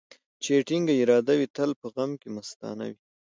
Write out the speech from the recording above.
چي يې ټينگه اراده وي ، تل په غم کې مستانه وي.